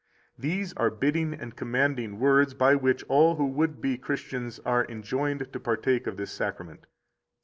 These are bidding and commanding words by which all who would be Christians are enjoined to partake of this Sacrament.